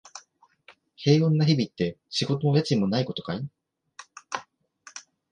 平穏な日々って、仕事も家賃もないことかい？